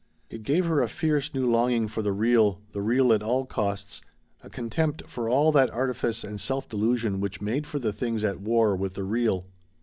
It gave her a fierce new longing for the real, the real at all costs, a contempt for all that artifice and self delusion which made for the things at war with the real.